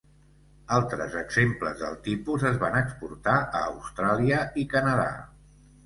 Altres exemples del tipus es van exportar a Austràlia i Canadà.